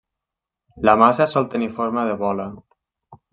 La massa sol tenir forma de bola.